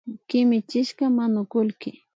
Kimichishka manukullki